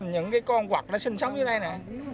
những cái con quặt nó sinh sống dưới đây nè